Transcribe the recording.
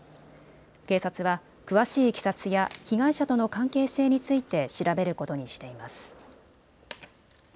警察は詳しいいきさつや被害者との関係性について調べることにしています。